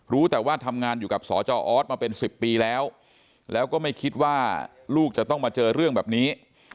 รู้แต่ว่าทำงานอยู่กับสจออสมาเป็น๑๐ปีแล้วแล้วก็ไม่คิดว่าลูกจะต้องมาเจอเรื่องแบบนี้